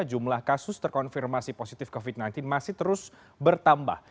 jumlah kasus terkonfirmasi positif covid sembilan belas masih terus bertambah